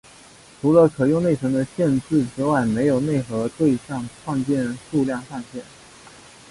除了可用内存的限制之外没有内核对象创建数量上限。